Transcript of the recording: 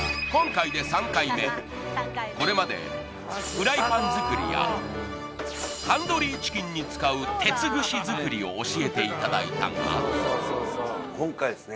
これまでフライパン作りやタンドリーチキンに使う鉄串作りを教えていただいたが今回ですね